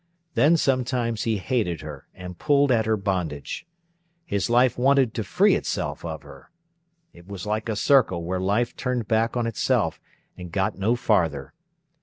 Then sometimes he hated her, and pulled at her bondage. His life wanted to free itself of her. It was like a circle where life turned back on itself, and got no farther.